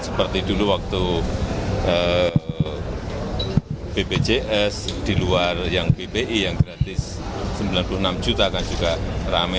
seperti dulu waktu bpjs di luar yang bpi yang gratis sembilan puluh enam juta kan juga rame